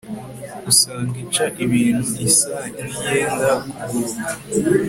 usanga ica ibintu isa n'iyenda kuguruka